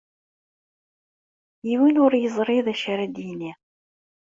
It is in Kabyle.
Yiwen ur yeẓri d acu ara d-yini.